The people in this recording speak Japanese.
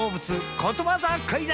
ことわざクイズ！